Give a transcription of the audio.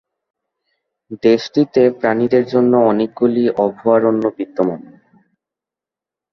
দেশটিতে প্রাণীদের জন্য অনেকগুলি অভয়ারণ্য বিদ্যমান।